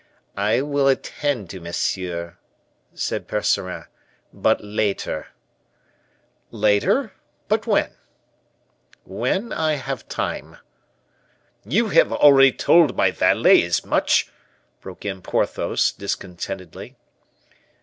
"I will attend to monsieur," said Percerin, "but later." "Later? but when?" "When I have time." "You have already told my valet as much," broke in Porthos, discontentedly.